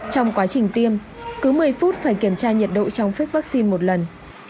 trong quá trình tiêm cứ một mươi phút phải kiểm tra nhiệt độ trong phích vaccine một lần